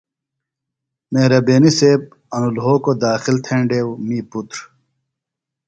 مہربینیۡ سیب ـ انوۡ لھوکوۡ داخل تھینڈیوۡ دےۡ می پُتر۔